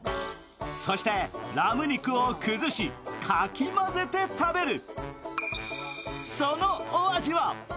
そして、ラム肉を崩し、かき混ぜて食べる。